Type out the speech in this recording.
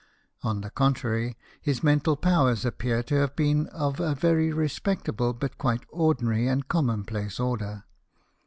On the contrary, his mental powers appear to have been of a very respectable but quite ordinary and commonplace order.